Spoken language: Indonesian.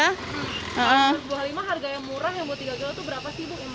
kalau rp dua puluh lima harga yang murah yang buat rp tiga itu berapa sih ibu